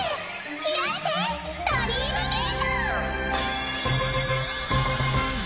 開いてドリームゲート！